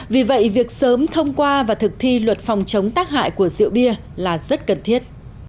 vì vậy việc sớm thông qua và thực thi luật phòng chống tác hại của rượu bia là rất cần thiết